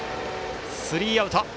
スリーアウト。